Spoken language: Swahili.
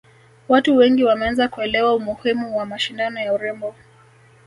watu wengi wameanza kuelewa umuhimu wa mashindano ya urembo